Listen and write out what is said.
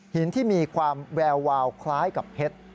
หินที่มีความแวววาวคล้ายกับเพชร